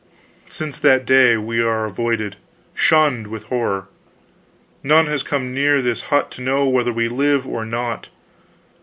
"Since that day we are avoided, shunned with horror. None has come near this hut to know whether we live or not.